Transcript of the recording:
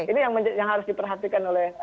ini yang harus diperhatikan oleh